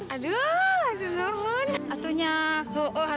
aduh aduh nek yona